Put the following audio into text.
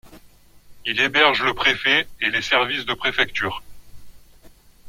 Il héberge le préfet et les services de préfecture.